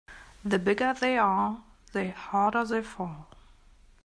The bigger they are the harder they fall.